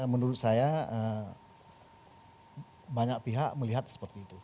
menurut saya banyak pihak melihat seperti itu